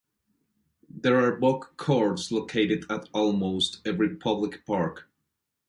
There are bocce courts located at almost every public park.